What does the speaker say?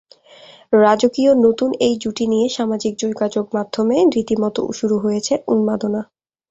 রাজকীয় নতুন এই জুটি নিয়ে সামাজিক যোগাযোগমাধ্যমে রীতিমতো শুরু হয়েছে উন্মাদনা।